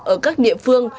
ở các địa phương